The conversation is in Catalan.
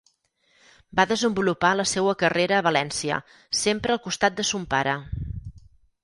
Va desenvolupar la seua carrera a València, sempre al costat de son pare.